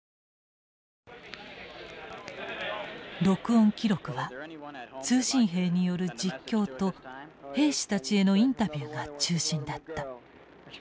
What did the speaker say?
録音記録は通信兵による実況と兵士たちへのインタビューが中心だった。